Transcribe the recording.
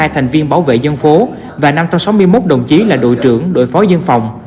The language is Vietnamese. một hai trăm bốn mươi hai thành viên bảo vệ dân phố và năm trăm sáu mươi một đồng chí là đội trưởng đội phó dân phòng